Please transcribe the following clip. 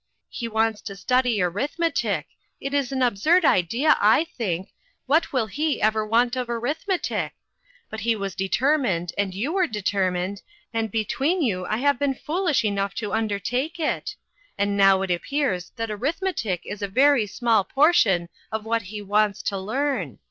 He wants to study arithmetic ; it is an absurd idea, I think ; what will he ever want of arithmetic ? But he was de termined, and you were determined, and be tween you I have been foolish enough to undertake it , and now it appears that arith metic is a very small portion of what he wants to learn.